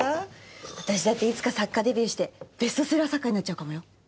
私だっていつか作家デビューしてベストセラー作家になっちゃうかもよ。